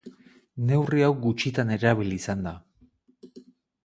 Neurri hau gutxitan erabili izan da.